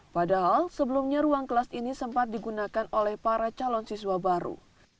padahal sebelumnya ruang kelas ini sempat digunakan oleh para calon siswa baru